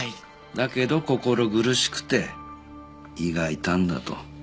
だけど心苦しくて胃が痛んだと。